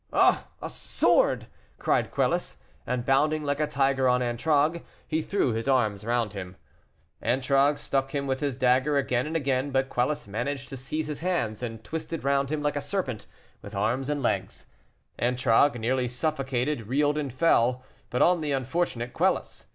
"Oh, a sword!" cried Quelus; and, bounding like a tiger on Antragues, he threw his arms round him. Antragues struck him with his dagger again and again, but Quelus managed to seize his hands, and twisted round him like a serpent, with arms and legs. Antragues, nearly suffocated, reeled and fell, but on the unfortunate Quelus.